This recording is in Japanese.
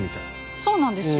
そうなんですよ。